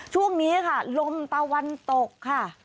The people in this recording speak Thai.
ช่วงนี้ค่ะลมตะวันตกค่ะ